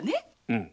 うん。